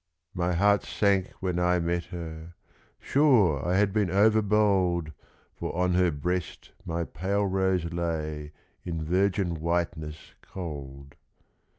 My heart sank when I met her: sure I had been overbold, For on her breast my pale rose lay In virgin whiteness cold.